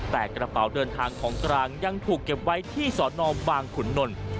แต่กระเป๋าเดินทางของกลางยังถูกเก็บไว้ที่สอนอบางขุนนล